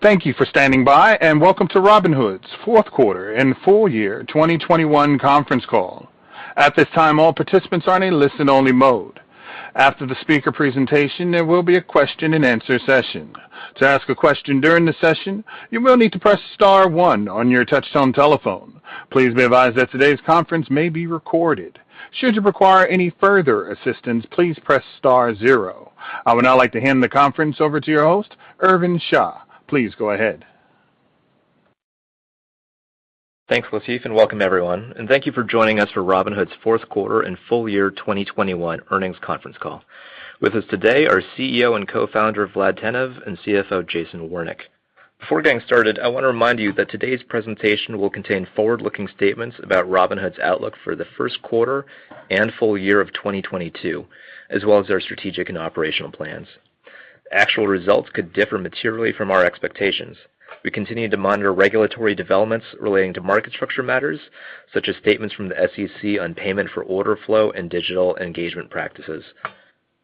Thank you for standing by, and welcome to Robinhood's fourth quarter and full year 2021 conference call. At this time, all participants are in a listen only mode. After the speaker presentation, there will be a question and answer session. To ask a question during the session, you will need to press star one on your touchtone telephone. Please be advised that today's conference may be recorded. Should you require any further assistance, please press star zero. I would now like to hand the conference over to your host, Irvin Sha. Please go ahead. Thanks, Latif, and welcome everyone, and thank you for joining us for Robinhood's fourth quarter and full year 2021 earnings conference call. With us today are CEO and Co-founder Vlad Tenev, and CFO Jason Warnick. Before getting started, I wanna remind you that today's presentation will contain forward-looking statements about Robinhood's outlook for the first quarter and full year of 2022, as well as their strategic and operational plans. Actual results could differ materially from our expectations. We continue to monitor regulatory developments relating to market structure matters, such as statements from the SEC on payment for order flow and digital engagement practices.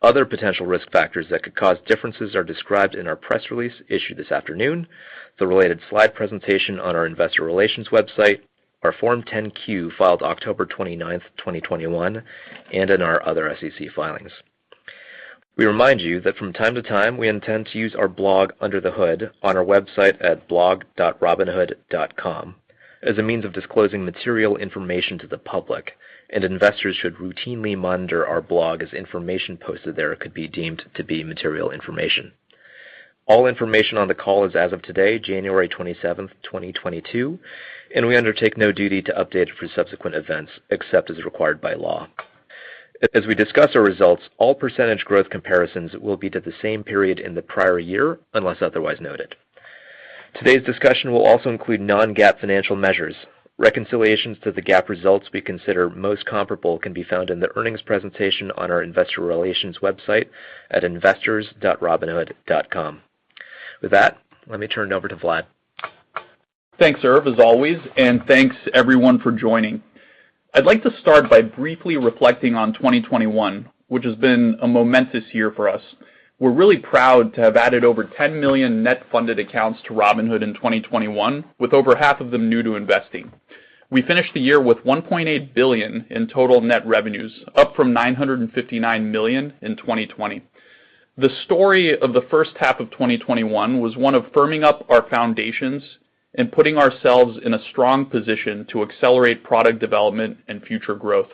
Other potential risk factors that could cause differences are described in our press release issued this afternoon, the related slide presentation on our investor relations website, our Form 10-Q filed October 29th, 2021, and in our other SEC filings. We remind you that from time to time, we intend to use our blog, Under the Hood, on our website at blog.robinhood.com as a means of disclosing material information to the public, and investors should routinely monitor our blog as information posted there could be deemed to be material information. All information on the call is as of today, January 27th, 2022, and we undertake no duty to update it for subsequent events except as required by law. As we discuss our results, all percentage growth comparisons will be to the same period in the prior year, unless otherwise noted. Today's discussion will also include non-GAAP financial measures. Reconciliations to the GAAP results we consider most comparable can be found in the earnings presentation on our investor relations website at investors.robinhood.com. With that, let me turn it over to Vlad. Thanks, Irv, as always, and thanks everyone for joining. I'd like to start by briefly reflecting on 2021, which has been a momentous year for us. We're really proud to have added over 10 million net funded accounts to Robinhood in 2021, with over half of them new to investing. We finished the year with $1.8 billion in total net revenues, up from $959 million in 2020. The story of the first half of 2021 was one of firming up our foundations and putting ourselves in a strong position to accelerate product development and future growth.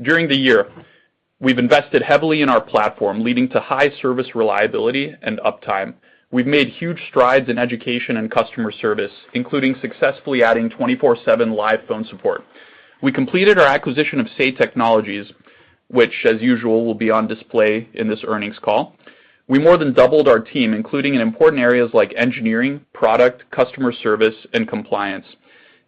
During the year, we've invested heavily in our platform, leading to high service reliability and uptime. We've made huge strides in education and customer service, including successfully adding 24/7 live phone support. We completed our acquisition of Say Technologies, which as usual, will be on display in this earnings call. We more than doubled our team, including in important areas like engineering, product, customer service, and compliance,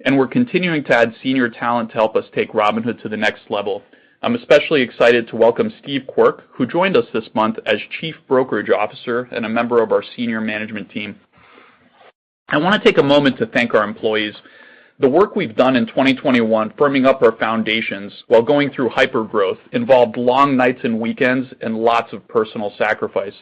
and we're continuing to add senior talent to help us take Robinhood to the next level. I'm especially excited to welcome Steve Quirk, who joined us this month as Chief Brokerage Officer and a member of our senior management team. I wanna take a moment to thank our employees. The work we've done in 2021, firming up our foundations while going through hypergrowth, involved long nights and weekends and lots of personal sacrifice.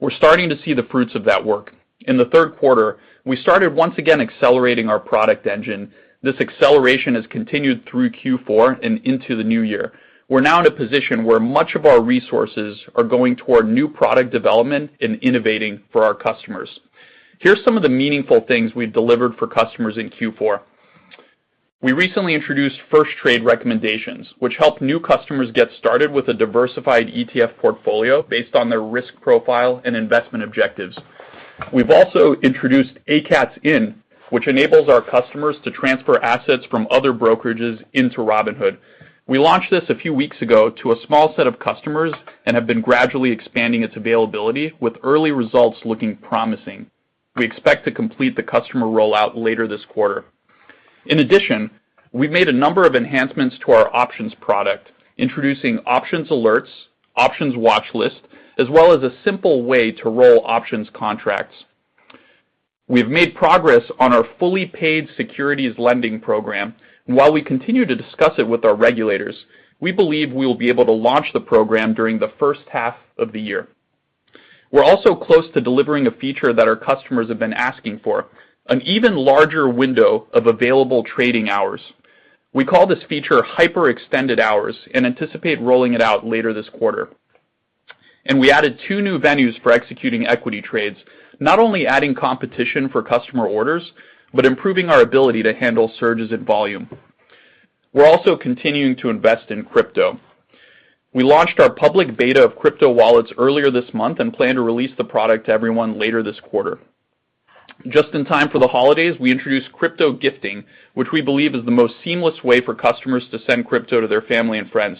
We're starting to see the fruits of that work. In the third quarter, we started once again accelerating our product engine. This acceleration has continued through Q4 and into the new year. We're now in a position where much of our resources are going toward new product development and innovating for our customers. Here's some of the meaningful things we've delivered for customers in Q4. We recently introduced first trade recommendations, which help new customers get started with a diversified ETF portfolio based on their risk profile and investment objectives. We've also introduced ACATS In, which enables our customers to transfer assets from other brokerages into Robinhood. We launched this a few weeks ago to a small set of customers and have been gradually expanding its availability, with early results looking promising. We expect to complete the customer rollout later this quarter. In addition, we've made a number of enhancements to our options product, introducing options alerts, options watchlist, as well as a simple way to roll options contracts. We have made progress on our fully paid securities lending program. While we continue to discuss it with our regulators, we believe we will be able to launch the program during the first half of the year. We're also close to delivering a feature that our customers have been asking for, an even larger window of available trading hours. We call this feature hyper-extended hours and anticipate rolling it out later this quarter. We added two new venues for executing equity trades, not only adding competition for customer orders, but improving our ability to handle surges in volume. We're also continuing to invest in crypto. We launched our public beta of crypto wallets earlier this month and plan to release the product to everyone later this quarter. Just in time for the holidays, we introduced crypto gifting, which we believe is the most seamless way for customers to send crypto to their family and friends.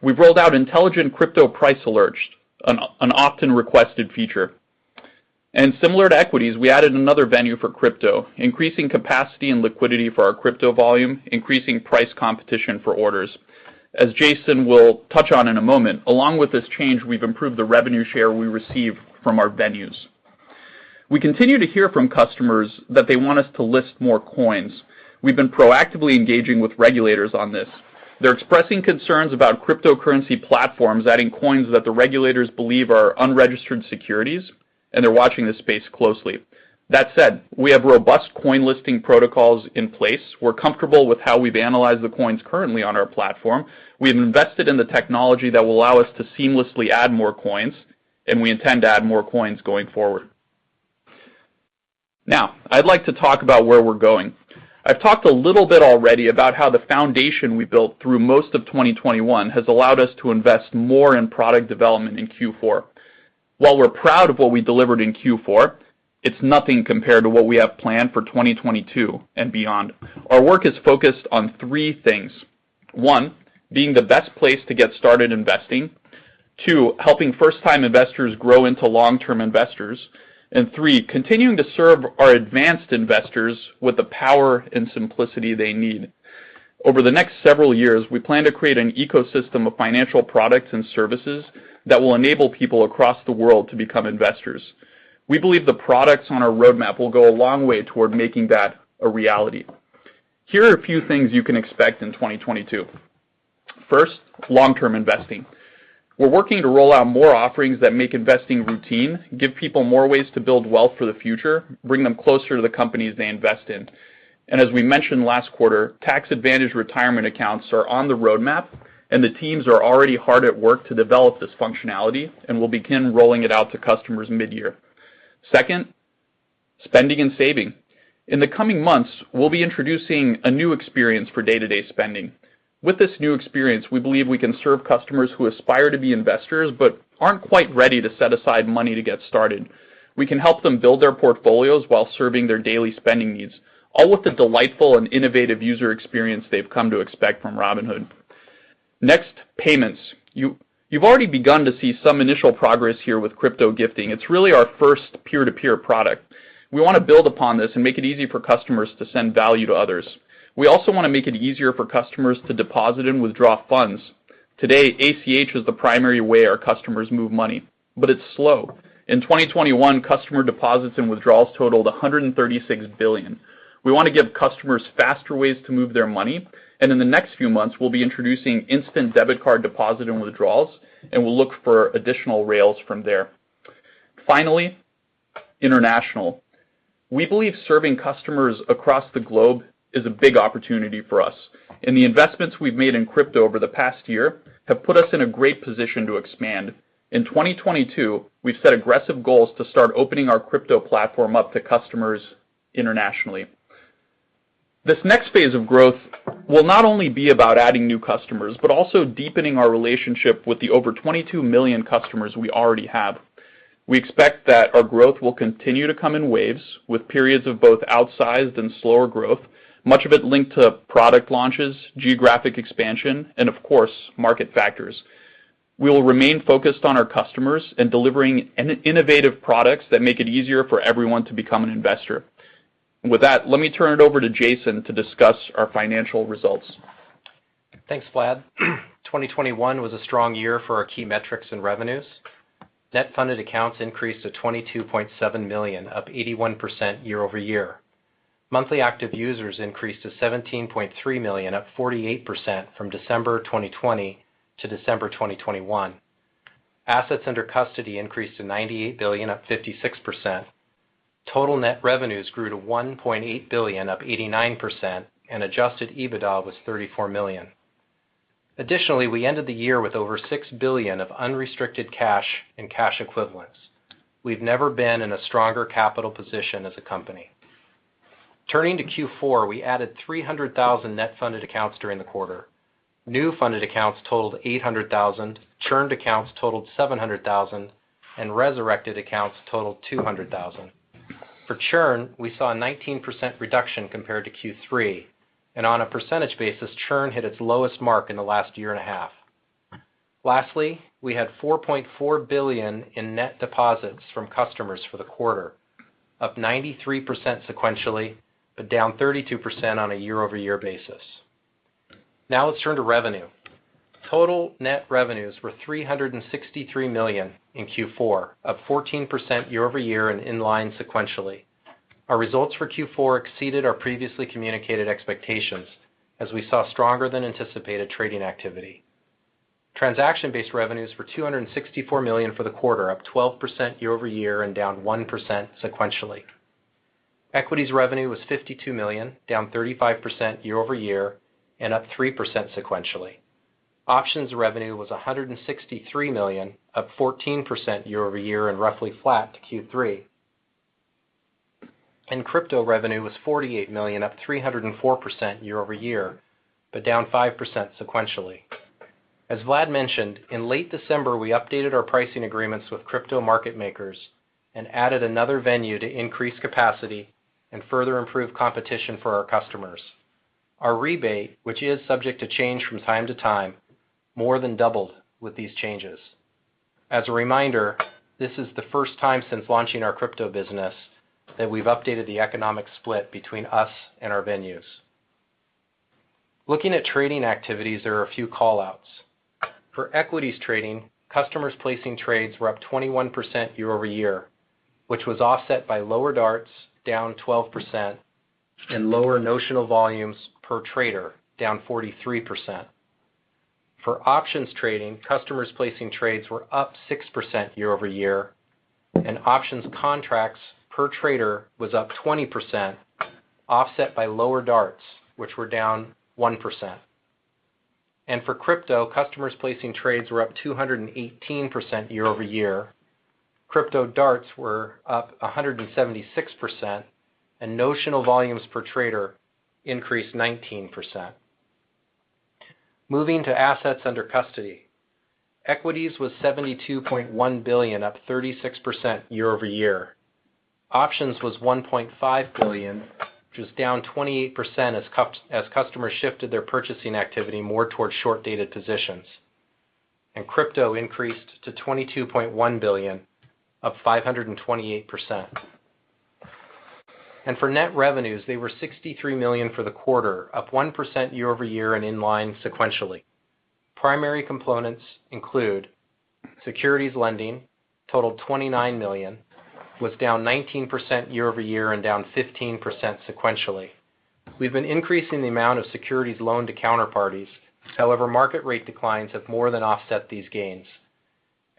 We've rolled out intelligent crypto price alerts, an often requested feature. Similar to equities, we added another venue for crypto, increasing capacity and liquidity for our crypto volume, increasing price competition for orders. As Jason will touch on in a moment, along with this change, we've improved the revenue share we receive from our venues. We continue to hear from customers that they want us to list more coins. We've been proactively engaging with regulators on this. They're expressing concerns about cryptocurrency platforms, adding coins that the regulators believe are unregistered securities, and they're watching this space closely. That said, we have robust coin listing protocols in place. We're comfortable with how we've analyzed the coins currently on our platform. We have invested in the technology that will allow us to seamlessly add more coins, and we intend to add more coins going forward. Now, I'd like to talk about where we're going. I've talked a little bit already about how the foundation we built through most of 2021 has allowed us to invest more in product development in Q4. While we're proud of what we delivered in Q4, it's nothing compared to what we have planned for 2022 and beyond. Our work is focused on three things. One, being the best place to get started investing. Two, helping first-time investors grow into long-term investors. Three, continuing to serve our advanced investors with the power and simplicity they need. Over the next several years, we plan to create an ecosystem of financial products and services that will enable people across the world to become investors. We believe the products on our roadmap will go a long way toward making that a reality. Here are a few things you can expect in 2022. First, long-term investing. We're working to roll out more offerings that make investing routine, give people more ways to build wealth for the future, bring them closer to the companies they invest in. As we mentioned last quarter, tax-advantaged retirement accounts are on the roadmap, and the teams are already hard at work to develop this functionality and will begin rolling it out to customers mid-year. Second, spending and saving. In the coming months, we'll be introducing a new experience for day-to-day spending. With this new experience, we believe we can serve customers who aspire to be investors but aren't quite ready to set aside money to get started. We can help them build their portfolios while serving their daily spending needs, all with the delightful and innovative user experience they've come to expect from Robinhood. Next, payments. You've already begun to see some initial progress here with crypto gifting. It's really our first peer-to-peer product. We wanna build upon this and make it easy for customers to send value to others. We also wanna make it easier for customers to deposit and withdraw funds. Today, ACH is the primary way our customers move money, but it's slow. In 2021, customer deposits and withdrawals totaled $136 billion. We wanna give customers faster ways to move their money, and in the next few months, we'll be introducing instant debit card deposit and withdrawals, and we'll look for additional rails from there. Finally, international. We believe serving customers across the globe is a big opportunity for us, and the investments we've made in crypto over the past year have put us in a great position to expand. In 2022, we've set aggressive goals to start opening our crypto platform up to customers internationally. This next phase of growth will not only be about adding new customers, but also deepening our relationship with the over 22 million customers we already have. We expect that our growth will continue to come in waves, with periods of both outsized and slower growth, much of it linked to product launches, geographic expansion, and of course, market factors. We will remain focused on our customers and delivering innovative products that make it easier for everyone to become an investor. With that, let me turn it over to Jason to discuss our financial results. Thanks, Vlad. 2021 was a strong year for our key metrics and revenues. Net funded accounts increased to 22.7 million, up 81% year-over-year. Monthly active users increased to 17.3 million, up 48% from December 2020 to December 2021. Assets under custody increased to $98 billion, up 56%. Total net revenues grew to $1.8 billion, up 89%, and adjusted EBITDA was $34 million. Additionally, we ended the year with over $6 billion of unrestricted cash and cash equivalents. We've never been in a stronger capital position as a company. Turning to Q4, we added 300,000 net funded accounts during the quarter. New funded accounts totaled 800,000, churned accounts totaled 700,000, and resurrected accounts totaled 200,000. For churn, we saw a 19% reduction compared to Q3, and on a percentage basis, churn hit its lowest mark in the last year and a half. Lastly, we had $4.4 billion in net deposits from customers for the quarter, up 93% sequentially, but down 32% on a year-over-year basis. Now let's turn to revenue. Total net revenues were $363 million in Q4, up 14% year-over-year and in line sequentially. Our results for Q4 exceeded our previously communicated expectations as we saw stronger than anticipated trading activity. Transaction-based revenues were $264 million for the quarter, up 12% year-over-year and down 1% sequentially. Equities revenue was $52 million, down 35% year-over-year and up 3% sequentially. Options revenue was $163 million, up 14% year-over-year and roughly flat to Q3. Crypto revenue was $48 million, up 304% year-over-year, but down 5% sequentially. As Vlad mentioned, in late December, we updated our pricing agreements with crypto market makers and added another venue to increase capacity and further improve competition for our customers. Our rebate, which is subject to change from time to time, more than doubled with these changes. As a reminder, this is the first time since launching our crypto business that we've updated the economic split between us and our venues. Looking at trading activities, there are a few call-outs. For equities trading, customers placing trades were up 21% year-over-year, which was offset by lower DARTs, down 12%, and lower notional volumes per trader, down 43%. For options trading, customers placing trades were up 6% year-over-year, and options contracts per trader was up 20%, offset by lower DARTs, which were down 1%. For crypto, customers placing trades were up 218% year-over-year. Crypto DARTs were up 176%, and notional volumes per trader increased 19%. Moving to assets under custody. Equities was $72.1 billion, up 36% year-over-year. Options was $1.5 billion, which was down 28% as customers shifted their purchasing activity more towards short-dated positions. Crypto increased to $22.1 billion, up 528%. For net revenues, they were $63 million for the quarter, up 1% year-over-year and in line sequentially. Primary components include securities lending totaled $29 million, was down 19% year-over-year and down 15% sequentially. We've been increasing the amount of securities loaned to counterparties. However, market rate declines have more than offset these gains.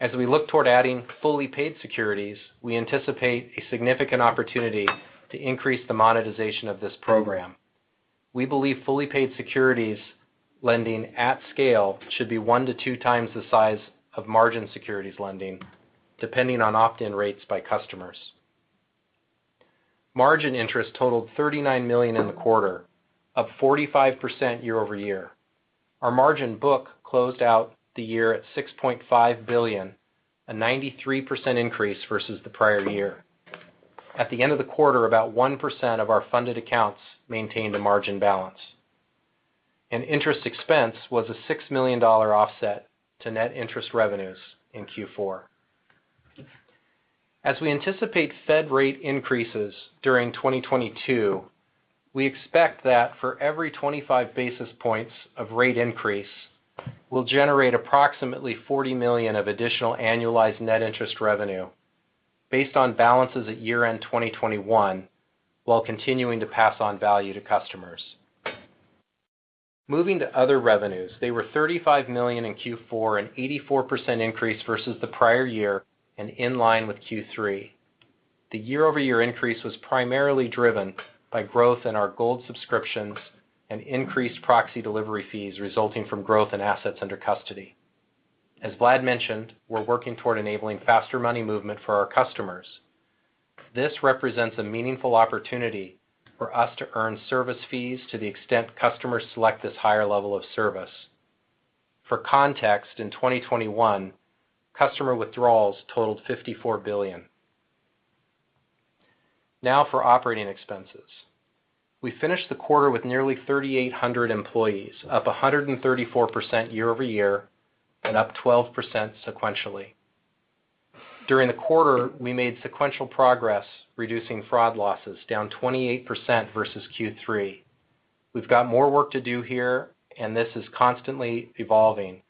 As we look toward adding fully paid securities, we anticipate a significant opportunity to increase the monetization of this program. We believe fully paid securities lending at scale should be 1x to 2x the size of margin securities lending, depending on opt-in rates by customers. Margin interest totaled $39 million in the quarter, up 45% year-over-year. Our margin book closed out the year at $6.5 billion, a 93% increase versus the prior year. At the end of the quarter, about 1% of our funded accounts maintained a margin balance. Interest expense was a $6 million offset to net interest revenues in Q4. As we anticipate Fed rate increases during 2022, we expect that for every 25 basis points of rate increase, we'll generate approximately $40 million of additional annualized net interest revenue based on balances at year-end 2021, while continuing to pass on value to customers. Moving to other revenues, they were $35 million in Q4, an 84% increase versus the prior year and in line with Q3. The year-over-year increase was primarily driven by growth in our Gold subscriptions and increased proxy delivery fees resulting from growth in assets under custody. As Vlad mentioned, we're working toward enabling faster money movement for our customers. This represents a meaningful opportunity for us to earn service fees to the extent customers select this higher level of service. For context, in 2021, customer withdrawals totaled $54 billion. Now for operating expenses. We finished the quarter with nearly 3,800 employees, up 134% year-over-year and up 12% sequentially. During the quarter, we made sequential progress reducing fraud losses, down 28% versus Q3. We've got more work to do here, and this is constantly evolving,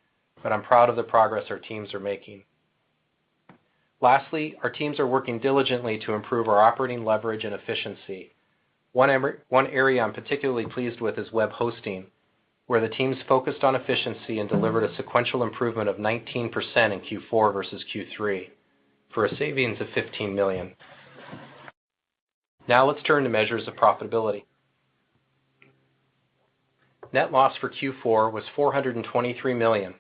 but I'm proud of the progress our teams are making. Lastly, our teams are working diligently to improve our operating leverage and efficiency. One area I'm particularly pleased with is web hosting, where the teams focused on efficiency and delivered a sequential improvement of 19% in Q4 versus Q3 for a savings of $15 million. Now let's turn to measures of profitability. Net loss for Q4 was $423 million,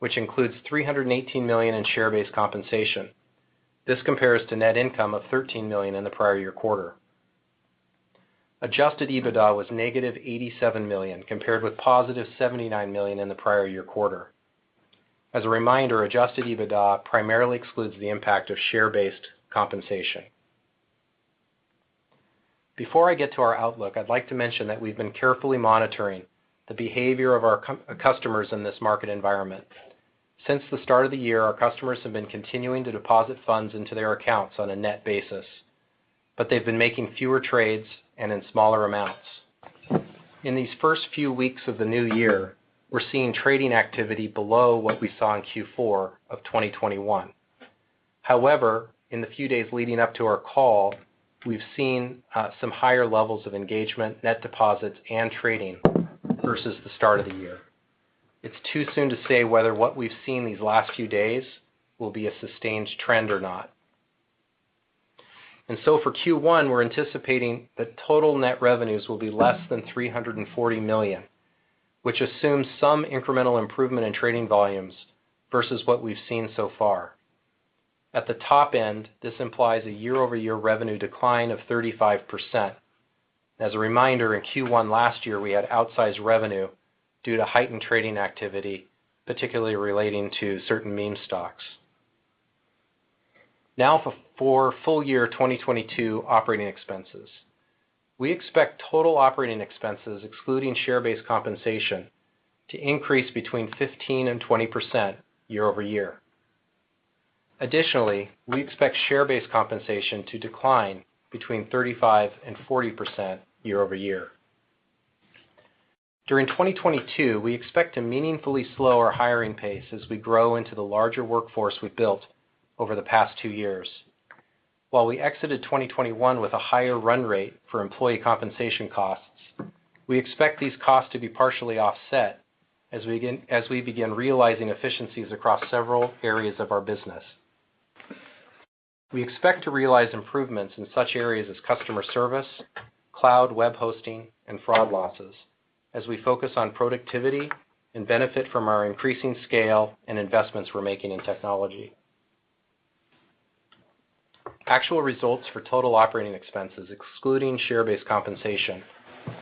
which includes $318 million in share-based compensation. This compares to net income of $13 million in the prior year quarter. Adjusted EBITDA was -$87 million, compared with +$79 million in the prior year quarter. As a reminder, adjusted EBITDA primarily excludes the impact of share-based compensation. Before I get to our outlook, I'd like to mention that we've been carefully monitoring the behavior of our customers in this market environment. Since the start of the year, our customers have been continuing to deposit funds into their accounts on a net basis, but they've been making fewer trades and in smaller amounts. In these first few weeks of the new year, we're seeing trading activity below what we saw in Q4 of 2021. However, in the few days leading up to our call, we've seen some higher levels of engagement, net deposits, and trading versus the start of the year. It's too soon to say whether what we've seen these last few days will be a sustained trend or not. For Q1, we're anticipating that total net revenues will be less than $340 million, which assumes some incremental improvement in trading volumes versus what we've seen so far. At the top end, this implies a year-over-year revenue decline of 35%. As a reminder, in Q1 last year, we had outsized revenue due to heightened trading activity, particularly relating to certain meme stocks. Now, for full year 2022 operating expenses, we expect total operating expenses, excluding share-based compensation, to increase between 15% and 20% year-over-year. Additionally, we expect share-based compensation to decline between 35% and 40% year-over-year. During 2022, we expect to meaningfully slow our hiring pace as we grow into the larger workforce we built over the past two years. While we exited 2021 with a higher run rate for employee compensation costs, we expect these costs to be partially offset as we begin realizing efficiencies across several areas of our business. We expect to realize improvements in such areas as customer service, cloud web hosting, and fraud losses as we focus on productivity and benefit from our increasing scale and investments we're making in technology. Actual results for total operating expenses, excluding share-based compensation,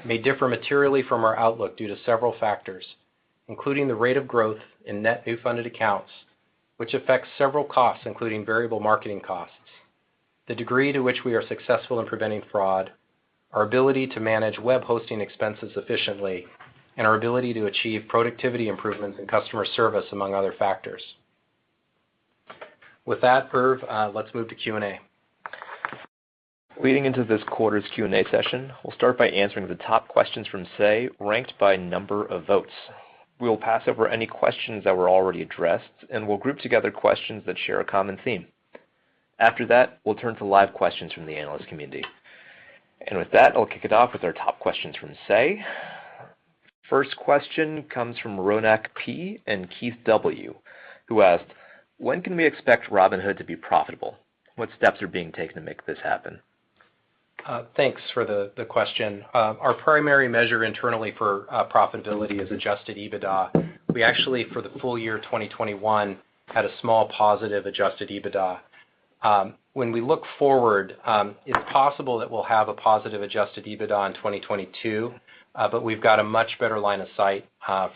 may differ materially from our outlook due to several factors, including the rate of growth in net new funded accounts, which affects several costs, including variable marketing costs, the degree to which we are successful in preventing fraud, our ability to manage web hosting expenses efficiently, and our ability to achieve productivity improvements in customer service, among other factors. With that, Irv, let's move to Q&A. Leading into this quarter's Q&A session, we'll start by answering the top questions from Say, ranked by number of votes. We'll pass over any questions that were already addressed, and we'll group together questions that share a common theme. After that, we'll turn to live questions from the analyst community. With that, I'll kick it off with our top questions from Say. First question comes from Ronak P. and Keith W., who asked, "When can we expect Robinhood to be profitable? What steps are being taken to make this happen? Thanks for the question. Our primary measure internally for profitability is adjusted EBITDA. We actually, for the full year 2021, had a small positive adjusted EBITDA. When we look forward, it's possible that we'll have a positive adjusted EBITDA in 2022, but we've got a much better line of sight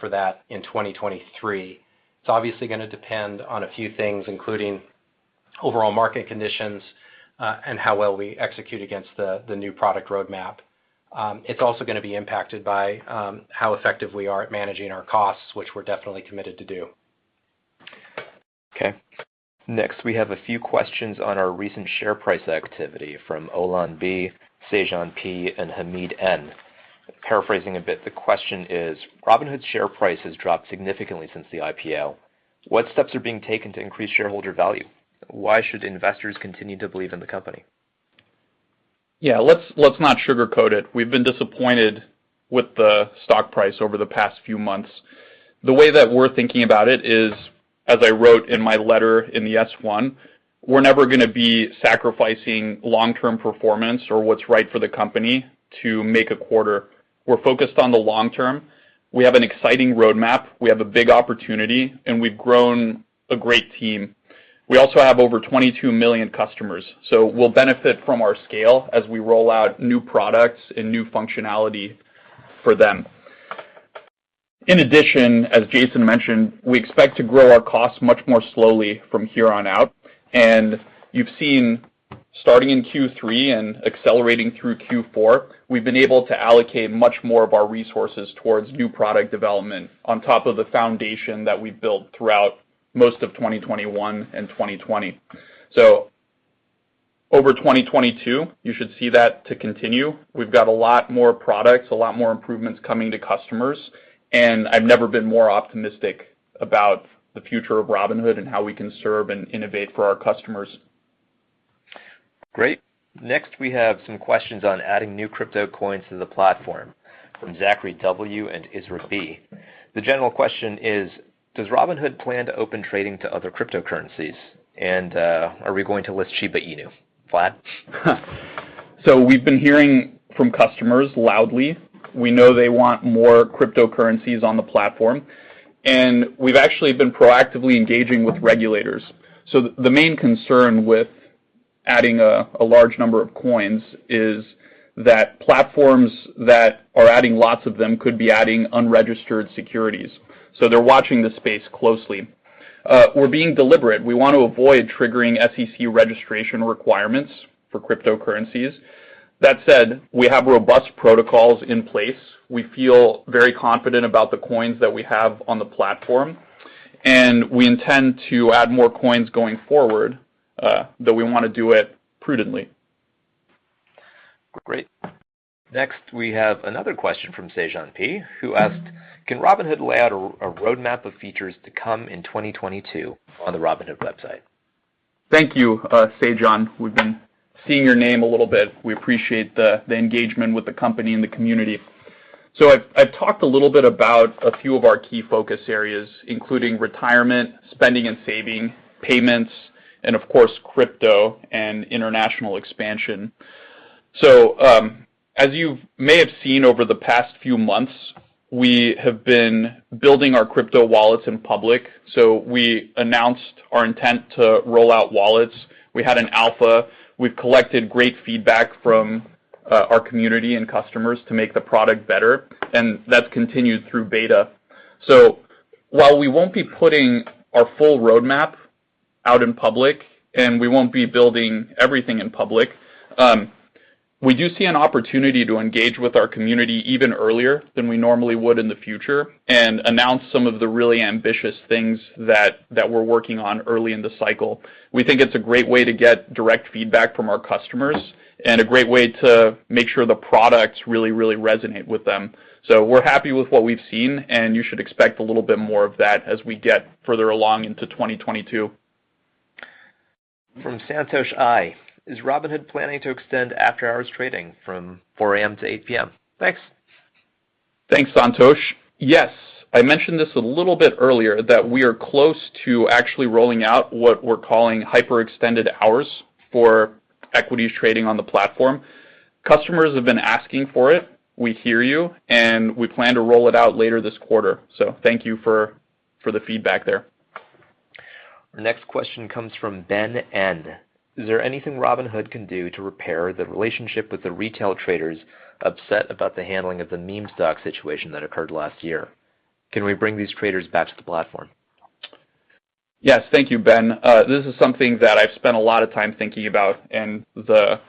for that in 2023. It's obviously gonna depend on a few things, including overall market conditions, and how well we execute against the new product roadmap. It's also gonna be impacted by how effective we are at managing our costs, which we're definitely committed to do. Okay. Next, we have a few questions on our recent share price activity from Olan B., Sejan P., and Hamid N. Paraphrasing a bit, the question is, Robinhood's share price has dropped significantly since the IPO. What steps are being taken to increase shareholder value? Why should investors continue to believe in the company? Yeah, let's not sugarcoat it. We've been disappointed with the stock price over the past few months. The way that we're thinking about it is, as I wrote in my letter in the S-1, we're never gonna be sacrificing long-term performance or what's right for the company to make a quarter. We're focused on the long term. We have an exciting roadmap. We have a big opportunity, and we've grown a great team. We also have over 22 million customers, so we'll benefit from our scale as we roll out new products and new functionality for them. In addition, as Jason mentioned, we expect to grow our costs much more slowly from here on out, and you've seen, starting in Q3 and accelerating through Q4, we've been able to allocate much more of our resources towards new product development on top of the foundation that we've built throughout most of 2021 and 2020. Over 2022, you should see that to continue. We've got a lot more products, a lot more improvements coming to customers, and I've never been more optimistic about the future of Robinhood and how we can serve and innovate for our customers. Great. Next, we have some questions on adding new crypto coins to the platform from Zachary W. and Israel B. The general question is, does Robinhood plan to open trading to other cryptocurrencies? Are we going to list Shiba Inu? Vlad? We've been hearing from customers loudly. We know they want more cryptocurrencies on the platform, and we've actually been proactively engaging with regulators. The main concern with adding a large number of coins is that platforms that are adding lots of them could be adding unregistered securities, so they're watching this space closely. We're being deliberate. We want to avoid triggering SEC registration requirements for cryptocurrencies. That said, we have robust protocols in place. We feel very confident about the coins that we have on the platform, and we intend to add more coins going forward, but we wanna do it prudently. Great. Next, we have another question from Sejan P., who asked, "Can Robinhood lay out a roadmap of features to come in 2022 on the Robinhood website? Thank you, Sejan. We've been seeing your name a little bit. We appreciate the engagement with the company and the community. I've talked a little bit about a few of our key focus areas, including retirement, spending and saving, payments, and of course, crypto and international expansion. As you may have seen over the past few months, we have been building our crypto wallets in public. We announced our intent to roll out wallets. We had an alpha. We've collected great feedback from our community and customers to make the product better, and that's continued through beta. While we won't be putting our full roadmap out in public and we won't be building everything in public, we do see an opportunity to engage with our community even earlier than we normally would in the future and announce some of the really ambitious things that we're working on early in the cycle. We think it's a great way to get direct feedback from our customers and a great way to make sure the products really, really resonate with them. We're happy with what we've seen, and you should expect a little bit more of that as we get further along into 2022. From Santosh I.: Is Robinhood planning to extend after-hours trading from 4:00 A.M. to 8:00 P.M.? Thanks. Thanks, Santosh. Yes. I mentioned this a little bit earlier, that we are close to actually rolling out what we're calling hyper-extended hours for equities trading on the platform. Customers have been asking for it. We hear you, and we plan to roll it out later this quarter. Thank you for the feedback there. Our next question comes from Ben N.: Is there anything Robinhood can do to repair the relationship with the retail traders upset about the handling of the meme stock situation that occurred last year? Can we bring these traders back to the platform? Yes. Thank you, Ben. This is something that I've spent a lot of time thinking about, and the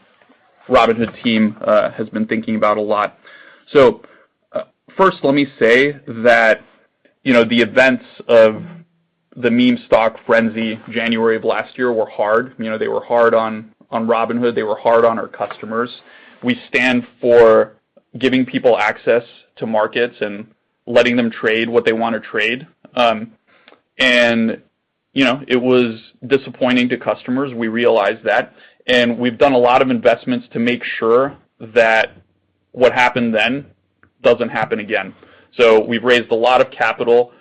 Robinhood team has been thinking about a lot. First, let me say that, you know, the events of the meme stock frenzy January of last year were hard. You know, they were hard on Robinhood. They were hard on our customers. We stand for giving people access to markets and letting them trade what they wanna trade. You know, it was disappointing to customers. We realize that, and we've done a lot of investments to make sure that what happened then doesn't happen again. We've raised a lot of capital.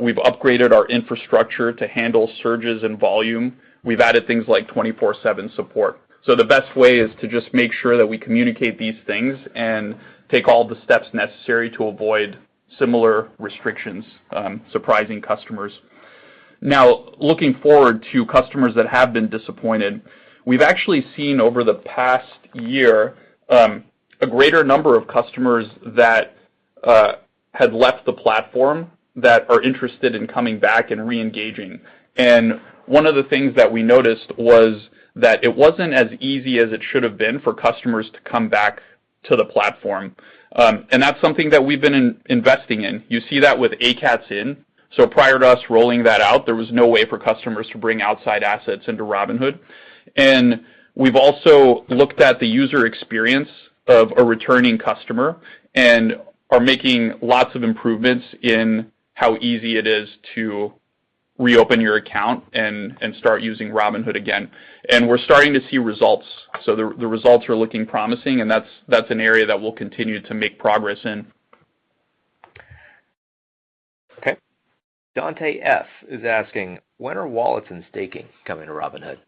We've upgraded our infrastructure to handle surges in volume. We've added things like 24/7 support. The best way is to just make sure that we communicate these things and take all the steps necessary to avoid similar restrictions, surprising customers. Now, looking forward to customers that have been disappointed, we've actually seen over the past year, a greater number of customers that had left the platform that are interested in coming back and reengaging. One of the things that we noticed was that it wasn't as easy as it should have been for customers to come back to the platform. That's something that we've been investing in. You see that with ACATS In. Prior to us rolling that out, there was no way for customers to bring outside assets into Robinhood. We've also looked at the user experience of a returning customer and are making lots of improvements in how easy it is to reopen your account and start using Robinhood again. We're starting to see results. The results are looking promising, and that's an area that we'll continue to make progress in. Okay. Donte F. is asking: When are wallets and staking coming to Robinhood?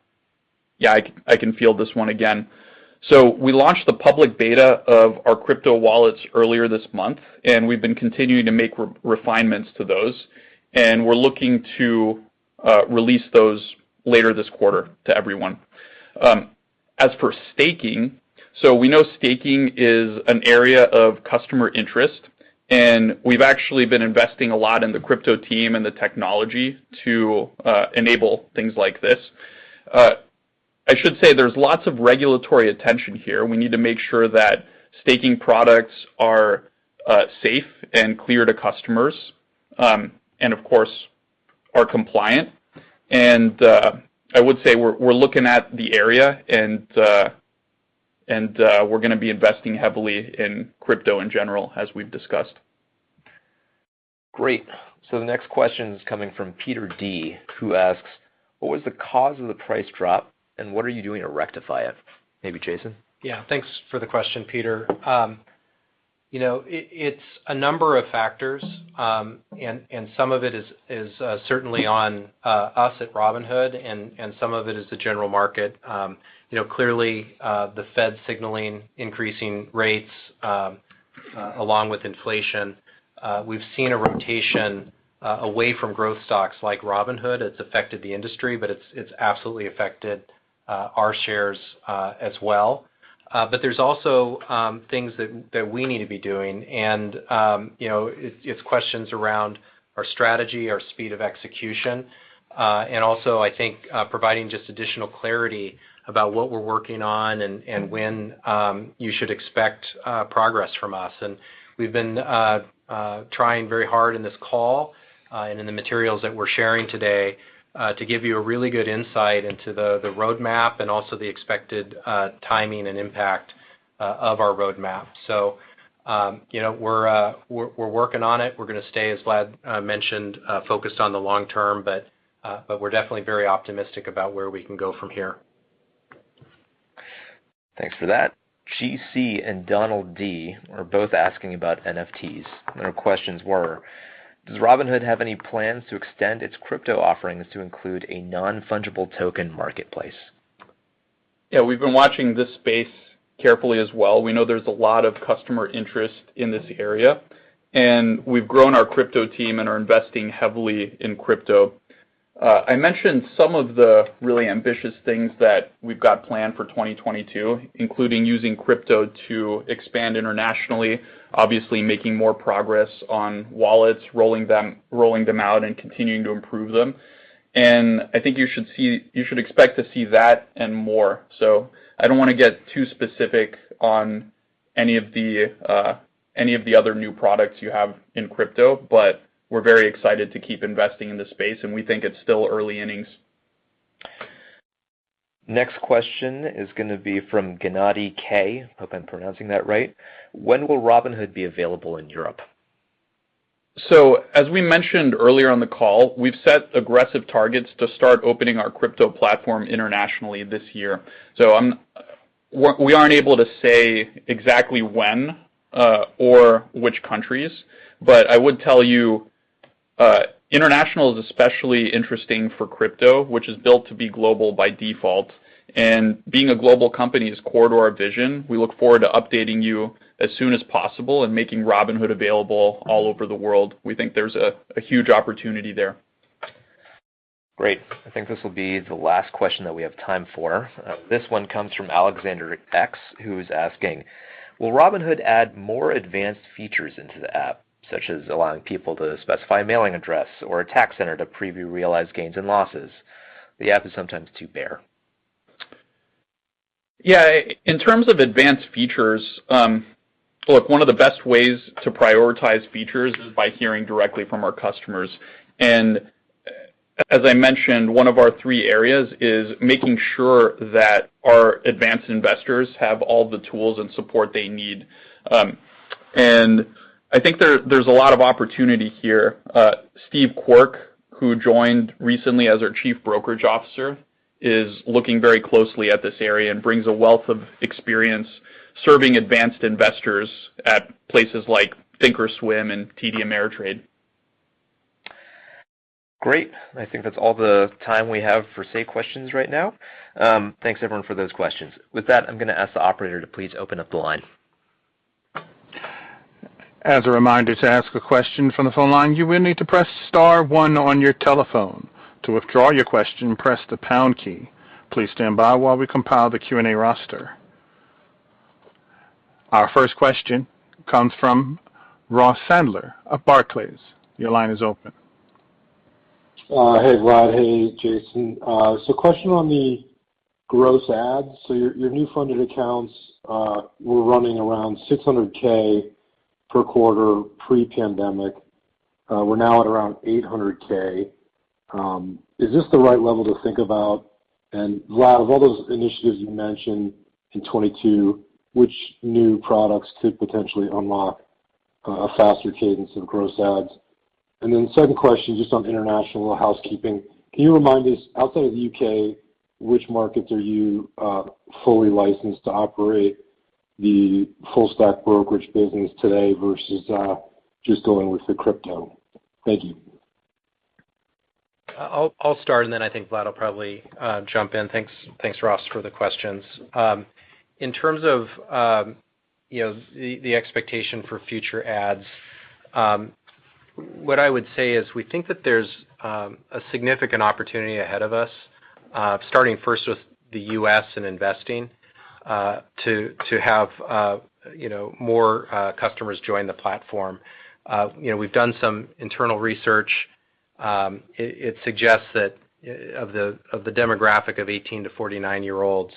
Yeah. I can field this one again. We launched the public beta of our crypto wallets earlier this month, and we've been continuing to make refinements to those, and we're looking to release those later this quarter to everyone. As for staking, we know staking is an area of customer interest, and we've actually been investing a lot in the crypto team and the technology to enable things like this. I should say, there's lots of regulatory attention here. We need to make sure that staking products are safe and clear to customers, and of course, are compliant. I would say we're looking at the area and we're gonna be investing heavily in crypto in general as we've discussed. Great. The next question is coming from Peter D., who asks: What was the cause of the price drop, and what are you doing to rectify it? Maybe Jason. Yeah. Thanks for the question, Peter. You know, it's a number of factors, and some of it is certainly on us at Robinhood and some of it is the general market. You know, clearly, the Fed signaling increasing rates, along with inflation, we've seen a rotation away from growth stocks like Robinhood. It's affected the industry, but it's absolutely affected our shares as well. But there's also things that we need to be doing and, you know, it's questions around our strategy, our speed of execution, and also I think providing just additional clarity about what we're working on and when you should expect progress from us. We've been trying very hard in this call and in the materials that we're sharing today to give you a really good insight into the roadmap and also the expected timing and impact of our roadmap. You know, we're working on it. We're gonna stay, as Vlad mentioned, focused on the long term, but we're definitely very optimistic about where we can go from here. Thanks for that. GC and Donald D. are both asking about NFTs, and their questions were: Does Robinhood have any plans to extend its crypto offerings to include a non-fungible token marketplace? Yeah. We've been watching this space carefully as well. We know there's a lot of customer interest in this area, and we've grown our crypto team and are investing heavily in crypto. I mentioned some of the really ambitious things that we've got planned for 2022, including using crypto to expand internationally, obviously making more progress on wallets, rolling them out and continuing to improve them. I think you should expect to see that and more. I don't wanna get too specific on any of the other new products you have in crypto. We're very excited to keep investing in this space, and we think it's still early innings. Next question is gonna be from Gennadii K. Hope I'm pronouncing that right. When will Robinhood be available in Europe? As we mentioned earlier on the call, we've set aggressive targets to start opening our crypto platform internationally this year. We aren't able to say exactly when or which countries, but I would tell you, international is especially interesting for crypto, which is built to be global by default. Being a global company is core to our vision. We look forward to updating you as soon as possible and making Robinhood available all over the world. We think there's a huge opportunity there. Great. I think this will be the last question that we have time for. This one comes from Alexander X., who is asking: Will Robinhood add more advanced features into the app, such as allowing people to specify a mailing address or a tax center to preview realized gains and losses? The app is sometimes too bare. Yeah. In terms of advanced features, look, one of the best ways to prioritize features is by hearing directly from our customers. As I mentioned, one of our three areas is making sure that our advanced investors have all the tools and support they need. I think there's a lot of opportunity here. Steve Quirk, who joined recently as our Chief Brokerage Officer, is looking very closely at this area and brings a wealth of experience serving advanced investors at places like thinkorswim and TD Ameritrade. Great. I think that's all the time we have for Say questions right now. Thanks everyone for those questions. With that, I'm gonna ask the operator to please open up the line. As a reminder, to ask a question from the phone line, you will need to press star one on your telephone. To withdraw your question, press the pound key. Please stand by while we compile the Q&A roster. Our first question comes from Ross Sandler of Barclays. Your line is open. Hey, Vlad. Hey, Jason. Question on the gross adds. Your new funded accounts were running around 600,000 per quarter pre-pandemic. We're now at around 800,000. Is this the right level to think about? Vlad, of all those initiatives you mentioned in 2022, which new products could potentially unlock a faster cadence of gross adds? Second question, just on international housekeeping. Can you remind us, outside of the U.K., which markets are you fully licensed to operate the full stock brokerage business today versus just going with the crypto? Thank you. I'll start, and then I think Vlad will probably jump in. Thanks, Ross, for the questions. In terms of you know, the expectation for future adds, what I would say is we think that there's a significant opportunity ahead of us, starting first with the U.S. and investing to have you know, more customers join the platform. You know, we've done some internal research. It suggests that of the demographic of 18-year-olds to 49-year-olds,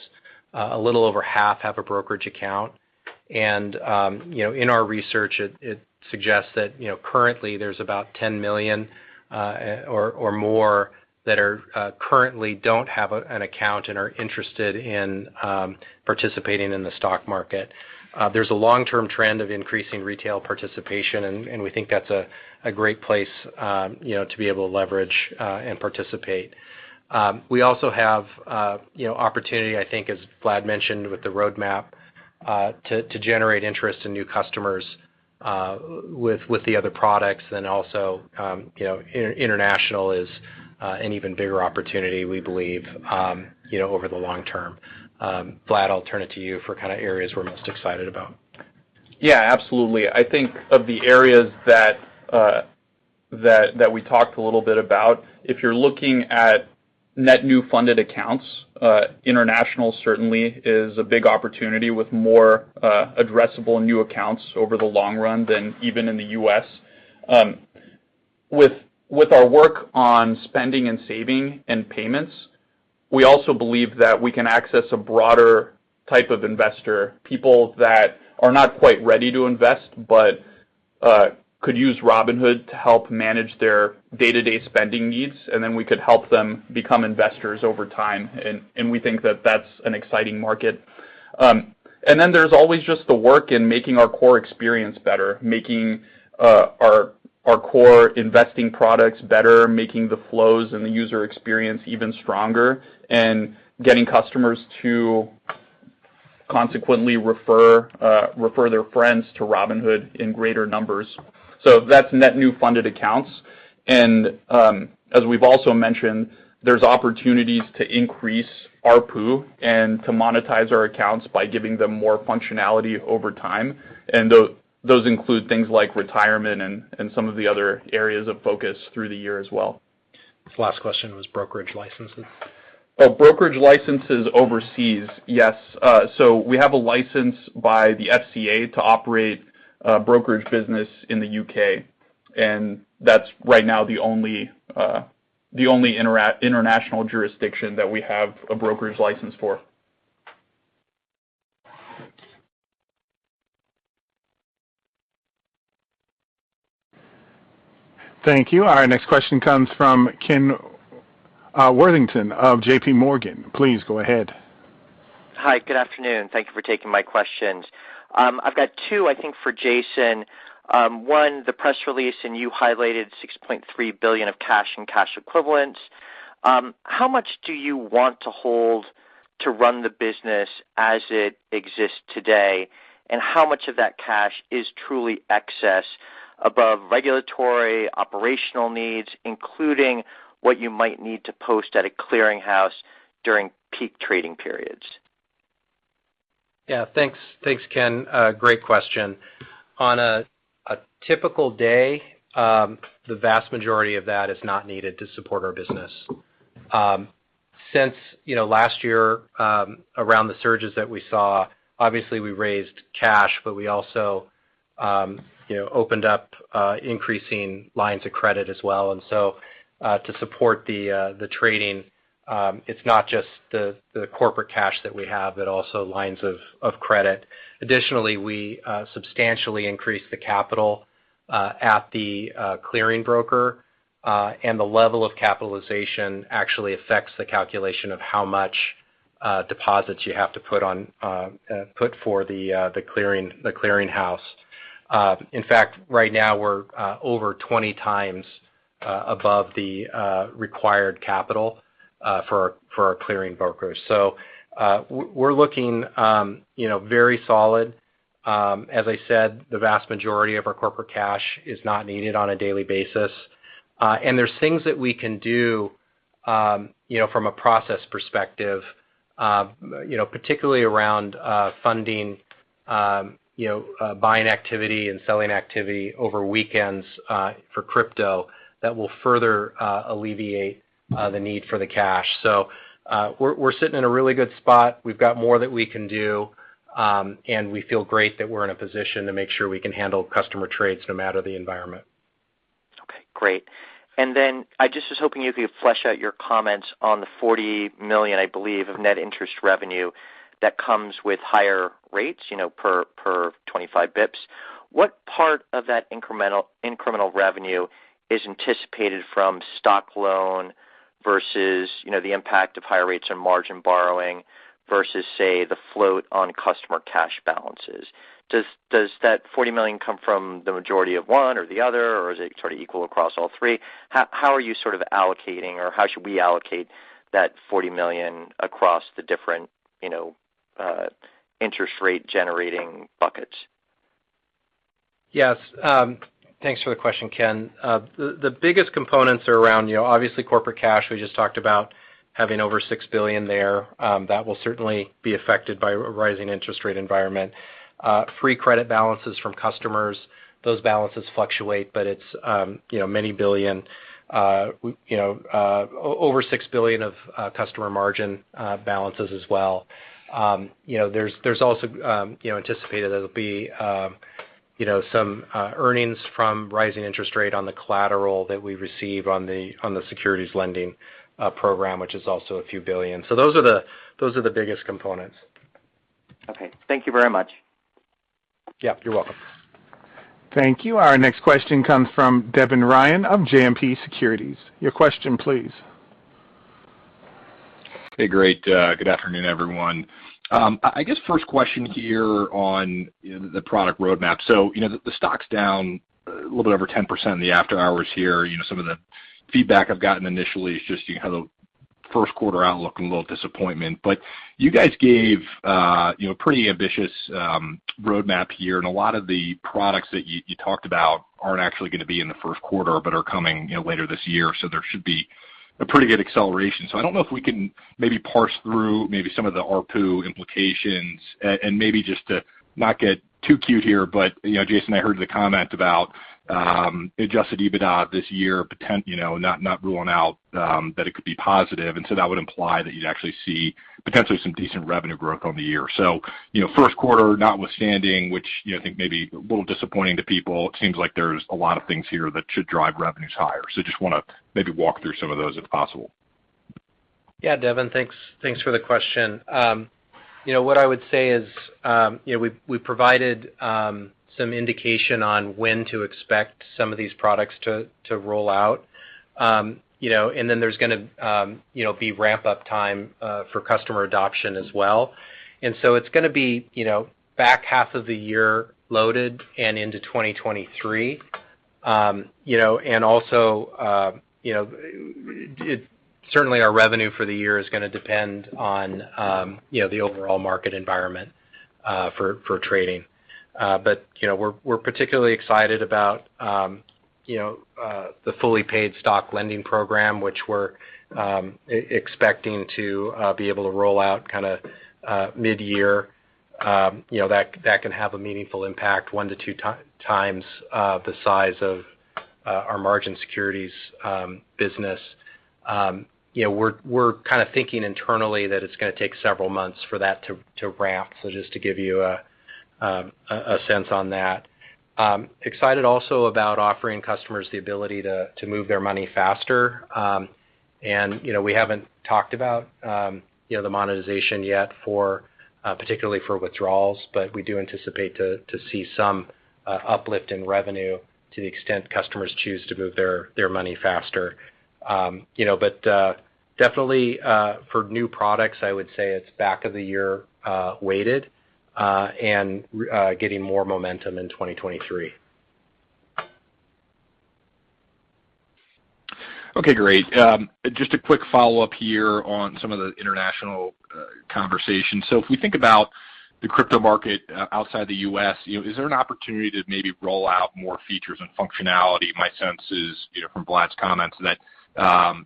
a little over half have a brokerage account. You know, in our research, it suggests that currently there's about 10 million or more that currently don't have an account and are interested in participating in the stock market. There's a long-term trend of increasing retail participation, and we think that's a great place, you know, to be able to leverage and participate. We also have, you know, opportunity, I think as Vlad mentioned with the roadmap, to generate interest in new customers with the other products. Also, you know, international is an even bigger opportunity, we believe, you know, over the long term. Vlad, I'll turn it to you for kind of areas we're most excited about. Yeah, absolutely. I think of the areas that we talked a little bit about, if you're looking at net new funded accounts, international certainly is a big opportunity with more addressable new accounts over the long run than even in the U.S. With our work on spending and saving and payments, we also believe that we can access a broader type of investor, people that are not quite ready to invest but could use Robinhood to help manage their day-to-day spending needs, and then we could help them become investors over time. We think that that's an exciting market. Then there's always just the work in making our core experience better, making our core investing products better, making the flows and the user experience even stronger, and getting customers to consequently refer their friends to Robinhood in greater numbers. That's net new funded accounts. As we've also mentioned, there's opportunities to increase ARPU and to monetize our accounts by giving them more functionality over time. Those include things like retirement and some of the other areas of focus through the year as well. This last question was brokerage licenses. Oh, brokerage licenses overseas. Yes. So we have a license by the FCA to operate a brokerage business in the U.K. That's right now the only international jurisdiction that we have a brokerage license for. Thank you. Our next question comes from Ken Worthington of JPMorgan. Please go ahead. Hi. Good afternoon. Thank you for taking my questions. I've got two, I think, for Jason. One, the press release, and you highlighted $6.3 billion of cash and cash equivalents. How much do you want to hold to run the business as it exists today? How much of that cash is truly excess above regulatory operational needs, including what you might need to post at a clearinghouse during peak trading periods? Yeah. Thanks. Thanks, Ken. A great question. On a typical day, the vast majority of that is not needed to support our business. Since you know last year around the surges that we saw, obviously we raised cash, but we also you know opened up increasing lines of credit as well. To support the trading, it's not just the corporate cash that we have, but also lines of credit. Additionally, we substantially increased the capital at the clearing broker. The level of capitalization actually affects the calculation of how much deposits you have to put up for the clearinghouse. In fact, right now we're over 20x above the required capital for our clearing brokers. We're looking, you know, very solid. As I said, the vast majority of our corporate cash is not needed on a daily basis. There's things that we can do, you know, from a process perspective, you know, particularly around funding, you know, buying activity and selling activity over weekends, for crypto that will further alleviate the need for the cash. We're sitting in a really good spot. We've got more that we can do, and we feel great that we're in a position to make sure we can handle customer trades no matter the environment. Okay, great. I just was hoping you could flesh out your comments on the $40 million, I believe, of net interest revenue that comes with higher rates, you know, per 25 basis points. What part of that incremental revenue is anticipated from stock loan versus, you know, the impact of higher rates on margin borrowing versus, say, the float on customer cash balances? Does that $40 million come from the majority of one or the other, or is it sort of equal across all three? How are you sort of allocating or how should we allocate that $40 million across the different, you know, interest rate generating buckets? Yes. Thanks for the question, Ken. The biggest components are around, you know, obviously corporate cash. We just talked about having over $6 billion there. That will certainly be affected by a rising interest rate environment. Free credit balances from customers, those balances fluctuate, but it's, you know, many billion, you know, over $6 billion of customer margin balances as well. You know, there's also, you know, anticipated there'll be, you know, some earnings from rising interest rate on the collateral that we receive on the securities lending program, which is also a few billion. Those are the biggest components. Okay. Thank you very much. Yeah, you're welcome. Thank you. Our next question comes from Devin Ryan of JMP Securities. Your question, please. Hey, great. Good afternoon, everyone. I guess first question here on, you know, the product roadmap. You know, the stock's down a little bit over 10% in the after-hours here. You know, some of the feedback I've gotten initially is just, you know, the first quarter outlook and a little disappointment. You guys gave, you know, pretty ambitious, roadmap here, and a lot of the products that you talked about aren't actually gonna be in the first quarter but are coming, you know, later this year. There should be a pretty good acceleration. I don't know if we can maybe parse through maybe some of the ARPU implications and and maybe just to not get too cute here, but you know Jason I heard the comment about adjusted EBITDA this year, you know, not ruling out that it could be positive. That would imply that you'd actually see potentially some decent revenue growth on the year. You know, first quarter notwithstanding, which you know I think may be a little disappointing to people, it seems like there's a lot of things here that should drive revenues higher. Just wanna maybe walk through some of those if possible. Yeah. Devin, thanks. Thanks for the question. You know, what I would say is, you know, we've provided some indication on when to expect some of these products to roll out. You know, and then there's gonna be ramp-up time for customer adoption as well. It's gonna be, you know, back half of the year loaded and into 2023. You know, and also, you know, certainly our revenue for the year is gonna depend on, you know, the overall market environment for trading. But, you know, we're particularly excited about, you know, the fully paid stock lending program, which we're expecting to be able to roll out kinda mid-year. You know, that can have a meaningful impact 1x to 2x the size of our margin securities business. You know, we're kind of thinking internally that it's gonna take several months for that to ramp. Just to give you a sense on that. Excited also about offering customers the ability to move their money faster. You know, we haven't talked about you know, the monetization yet for particularly for withdrawals, but we do anticipate to see some uplift in revenue to the extent customers choose to move their money faster. You know, definitely for new products, I would say it's back of the year weighted and getting more momentum in 2023. Okay, great. Just a quick follow-up here on some of the international conversation. If we think about the crypto market outside the U.S., you know, is there an opportunity to maybe roll out more features and functionality? My sense is, you know, from Vlad's comments that,